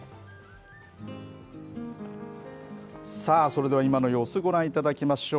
さあ、それでは今の様子、ご覧いただきましょう。